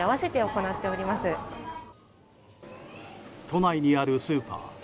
都内にあるスーパー。